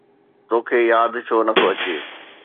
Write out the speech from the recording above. توکي ياد ڇو نٿو اچي؟